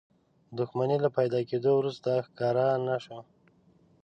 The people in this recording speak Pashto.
دښمنۍ له پيدا کېدو وروسته ښکار نه شو.